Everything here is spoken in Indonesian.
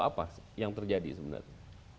apa yang terjadi sebenarnya